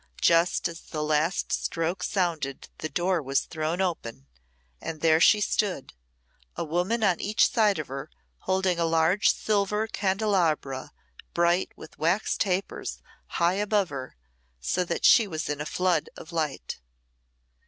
Just as the last stroke sounded the door was thrown open, and there she stood, a woman on each side of her, holding a large silver candelabra bright with wax tapers high above her, so that she was in a flood of light.